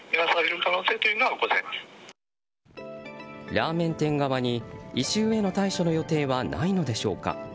ラーメン店側に、異臭への対処の予定はないのでしょうか。